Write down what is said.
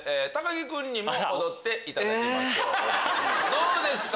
どうですか？